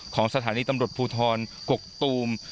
ของสถานีตำรวจภูทรกกตูม